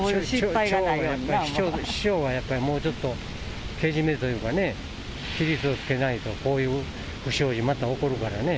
市長がやっぱりもうちょっとけじめというかね、規律をつけないとこういう不祥事、また起きるからね。